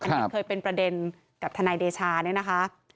อันนี้เคยเป็นประเด็นกับทนายเดชาเนี่ยนะคะ